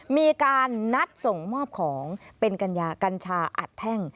มีการนัดส่งมอบของเป็นกัญญากัญชาอัดแท่ง